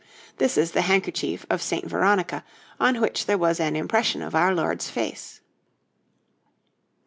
This is the handkerchief of St. Veronica on which there was an impression of our Lord's face.